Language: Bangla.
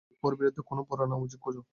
ওর বিরুদ্ধে কোনও পুরানো অভিযোগ খুঁজো।